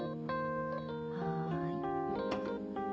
はい。